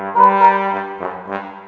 nih bolok ke dalam